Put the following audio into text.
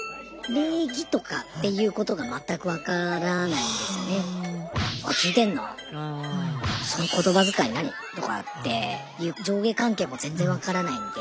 礼儀とかっていうことが全く分からないんですよね。とかっていう上下関係も全然分からないんで。